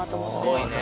すごいね。